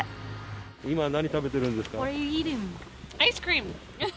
今、何食べてるんですか？